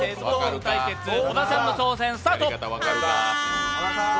小田さんの挑戦スタート！